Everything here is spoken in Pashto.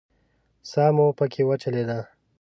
ساه مو پکې وچلېده.